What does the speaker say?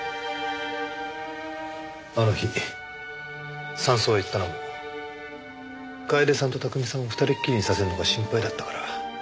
あの日山荘へ行ったのも楓さんと巧さんを二人きりにさせるのが心配だったから。